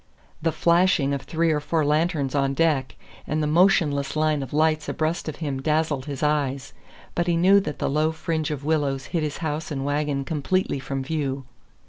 The flashing of three or four lanterns on deck and the motionless line of lights abreast of him dazzled his eyes, but he knew that the low fringe of willows hid his house and wagon completely from view.